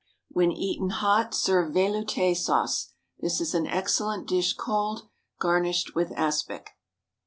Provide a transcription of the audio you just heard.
When eaten hot serve velouté sauce. This is an excellent dish cold garnished with aspic.